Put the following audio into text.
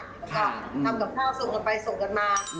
ก็ทำต่อเท่าส่งออกไปส่งกันมา